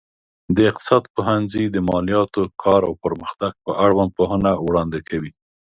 د اقتصاد پوهنځی د مالياتو، کار او پرمختګ په اړوند پوهنه وړاندې کوي.